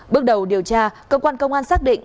bước đầu điều tra cơ quan công an xác định